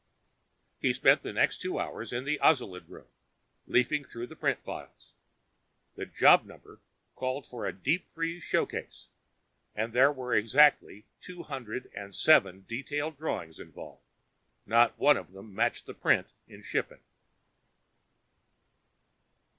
He spent the next two hours in the ozalid room, leafing through the print files. The job number called for a deep freeze showcase, and there were exactly two hundred and seven detail drawings involved. Not one of them matched the print in shipping.